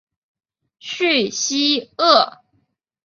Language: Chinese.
叙西厄。